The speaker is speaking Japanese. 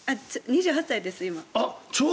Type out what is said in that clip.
２８歳です、今。